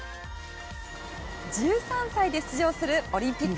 １３歳で出場するオリンピック。